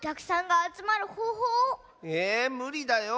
えむりだよ。